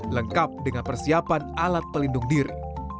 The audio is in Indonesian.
lengkap dengan persiapan alat pelindung diri